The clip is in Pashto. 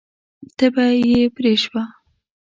تبه یې پرې شوه.